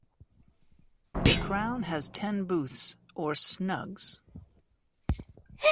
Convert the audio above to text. The Crown has ten booths, or snugs.